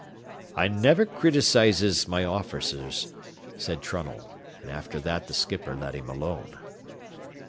"I never critisizez my officers," said Trunnell; and after that the skipper let him alone.